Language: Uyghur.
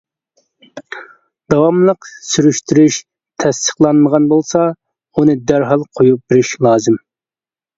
داۋاملىق سۈرۈشتۈرۈش تەستىقلانمىغان بولسا، ئۇنى دەرھال قويۇپ بېرىش لازىم.